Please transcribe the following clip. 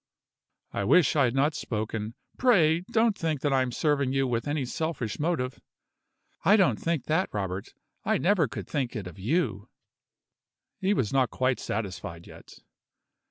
"I wish I had not spoken. Pray don't think that I am serving you with any selfish motive." "I don't think that, Robert. I never could think it of you." He was not quite satisfied yet.